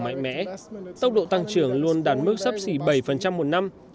mạnh mẽ tốc độ tăng trưởng luôn đạt mức sấp xỉ bảy một năm